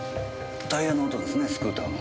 タイヤの跡ですねスクーターの。